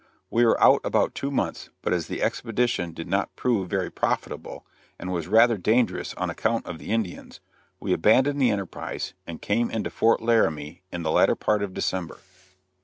We were out two months, but as the expedition did not prove very profitable, and was rather dangerous on account of the Indians, we abandoned the enterprise and came into Fort Laramie in the latter part of December.